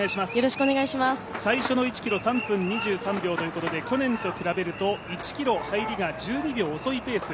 最初の１ｋｍ３分２３秒ということで去年と比べると１ｋｍ入りが１２秒、遅いペース。